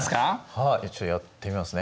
はいちょっとやってみますね。